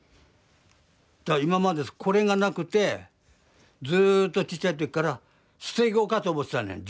今までこれがなくてずっとちっちゃいときから捨て子かと思ってたのよ